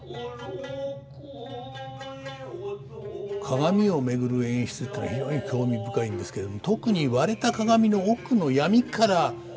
鏡を巡る演出っていうのは非常に興味深いんですけれども特に割れた鏡の奥の闇から森村人形が出てくるシーン。